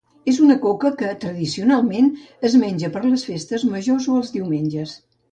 És una coca que, tradicionalment, es menja per les festes majors o els diumenges.